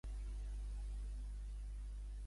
Què creu Jurgen Schwietering que fa referència?